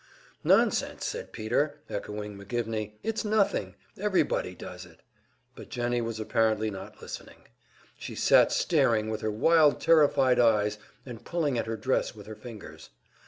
"Nonsense," said Peter, echoing McGivney. "It's nothing; everybody does it." But Jennie was apparently not listening. She sat staring with her wild, terrified eyes, and pulling at her dress with her fingers.